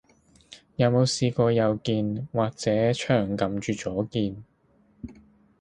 有冇試過右鍵，或者長撳住左鍵？